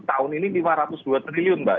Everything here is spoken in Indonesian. tahun ini lima ratus dua triliun mbak